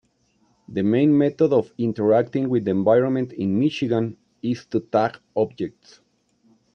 The main method of interacting with the environment in "Michigan" is to "tag" objects.